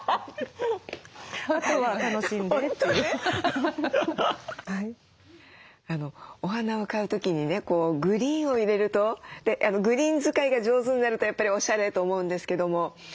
あとは楽しんでっていう。お花を買う時にねグリーンを入れるとグリーン使いが上手になるとやっぱりおしゃれと思うんですけども。